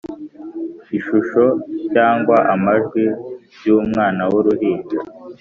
ishusho cyangwa amajwi by umwana wuruhinja